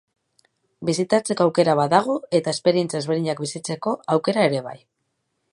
Bisitatzeko aukera badago eta esperientzia ezberdinak bizitzeko aukera ere bai.